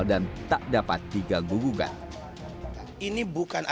dan tak dapat digagugukan